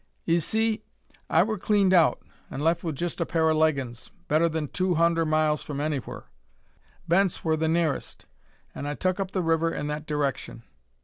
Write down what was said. "'Ee see, I wur cleaned out, an' left with jest a pair o' leggins, better than two hunder miles from anywhur. Bent's wur the nearest; an' I tuk up the river in that direkshun.